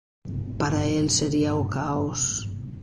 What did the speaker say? Para el sería o caos.